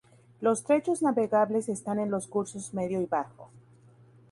Los trechos navegables están en los cursos medio y bajo.